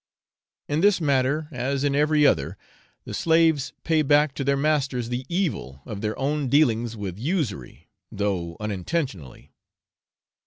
In this matter, as in every other, the slaves pay back to their masters the evil of their own dealings with usury, though unintentionally.